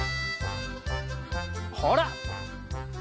ほら！